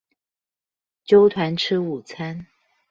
揪團吃午餐